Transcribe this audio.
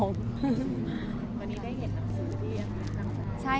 วันนี้ได้เห็นหนังสือที่คุณทำได้